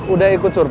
udah ikut survei dong